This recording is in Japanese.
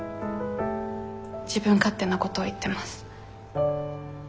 自分勝手なこと言ってます。